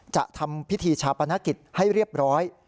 จะทำพิธีชาปนกิจให้เรียบร้อย